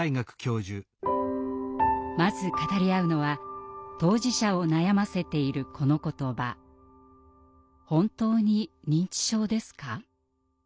まず語り合うのは当事者を悩ませているこの言葉「ほんとうに認知症ですか？」。